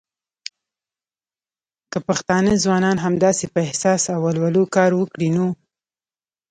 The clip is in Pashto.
که پښتانه ځوانان همداسې په احساس او ولولو کار وکړی نو